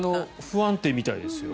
不安定みたいですよ。